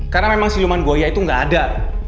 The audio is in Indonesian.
karena memang siluman buaya itu nggak ada